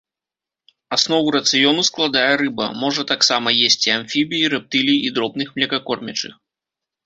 Аснову рацыёну складае рыба, можа таксама есці амфібій, рэптылій і дробных млекакормячых.